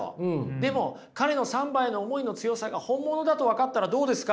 でも彼のサンバへの思いの強さが本物だと分かったらどうですか？